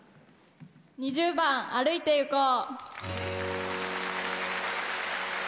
２０番「歩いていこう」。